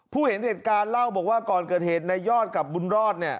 เห็นเหตุการณ์เล่าบอกว่าก่อนเกิดเหตุในยอดกับบุญรอดเนี่ย